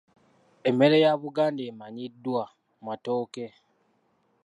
Emmere ya Buganda emanyiddwa matooke.